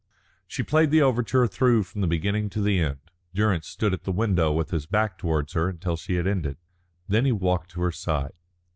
She played the overture through from the beginning to the end. Durrance stood at the window with his back towards her until she had ended. Then he walked to her side.